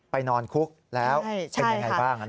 ไปนอนคุกแล้วเป็นอย่างไรบ้าง